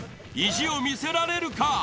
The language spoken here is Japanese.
意地を見せられるか？